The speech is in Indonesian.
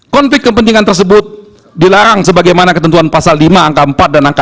konflik kepentingan tersebut dilarang sebagaimana ketentuan pasal lima angka empat dan angka satu